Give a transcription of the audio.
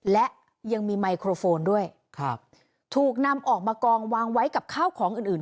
และยังมีไมโครโฟนด้วยครับถูกนำออกมากองวางไว้กับข้าวของอื่นอื่น